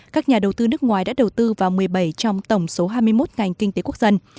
các nhà đầu tư nước ngoài đã đầu tư vào một mươi bảy trong tổng số hai mươi một ngành kinh tế quốc dân